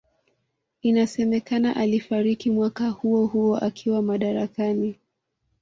Inasemekana alifariki mwaka huohuo akiwa madarakani